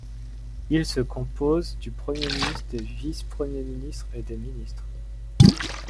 Il se compose du Premier ministre, des vice-Premiers ministres, et des ministres.